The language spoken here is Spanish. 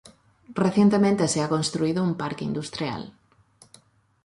Recientemente se ha construido un parque industrial.